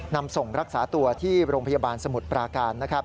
นำส่งรักษาตัวที่โรงพยาบาลสมุทรปราการนะครับ